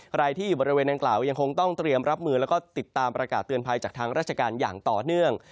ใครที่อยู่บริเวณนางกล่าวยังคงต้องเตรียมรับมือแล้วก็ติดตามประกาศเตือนภัยจากทางราชการอย่างต่อเนื่อง